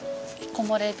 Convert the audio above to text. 木漏れ日？